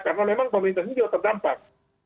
karena memang pemerintah sendiri juga terdampak